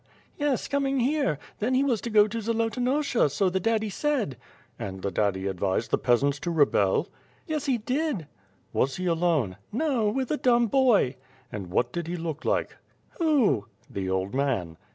"Yes, coming here; then he was to go to Zolotonosha, so the daddy said." "And the daddy advised the peasant? to rebel?" WITH FIRE AND SWORD. 273 "Yes, he did." "Was he alone?" "No, with a dumb* boy." "And what did he look like?" "Who?" "The old man."